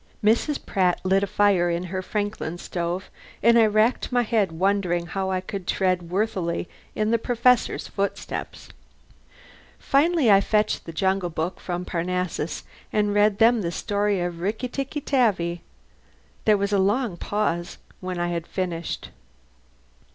Mrs. Pratt lit a fire in her Franklin stove and I racked my head wondering how I could tread worthily in the Professor's footsteps. Finally I fetched the "Jungle Book" from Parnassus and read them the story of Rikki Tikki Tavi. There was a long pause when I had finished.